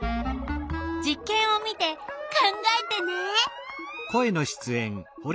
実けんを見て考えてね！